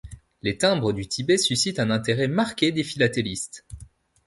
Les timbres du Tibet suscitent un intérêt marqué des philatélistes.